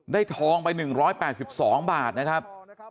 ทองไป๑๘๒บาทนะครับ